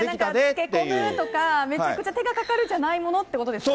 漬け込むとか、めちゃくちゃ手がかかるんじゃないものってことですよね？